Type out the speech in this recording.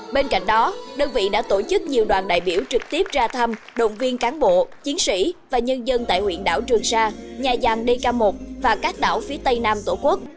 bên cạnh đó đơn vị đã tổ chức nhiều đoàn đại biểu trực tiếp ra thăm động viên cán bộ chiến sĩ và nhân dân tại huyện đảo trường sa nhà giang dk một và các đảo phía tây nam tổ quốc